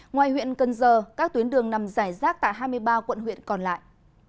ngoài huyện cần giờ các tuyến đường nằm giải rác tại hai mươi ba quận huyện còn lại